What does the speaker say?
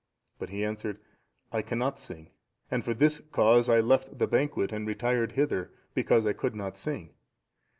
But he answered, "I cannot sing, and for this cause I left the banquet and retired hither, because I could not sing."